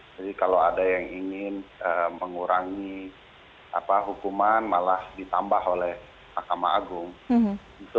jadi kalau ada yang ingin mengurangi hukuman malah ditambah oleh mahkamah